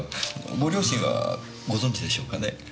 ご両親はご存じでしょうかね？